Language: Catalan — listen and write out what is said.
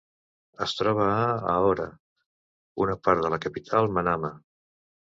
Es troba a Hoora, una part de la capital, Manama.